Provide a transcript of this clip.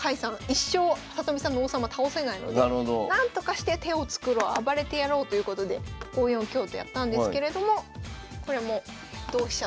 一生里見さんの王様倒せないので何とかして手をつくろう暴れてやろうということで５四香とやったんですけれどもこれも同飛車と飛車で取って。